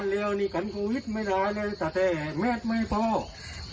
ล่านี่บัสสีคนพ่อคุณลุงท้ายนี่ไม่ไปกับพ่อแล้วกันนั้นพ่อพร้อมแล้วนี่ไป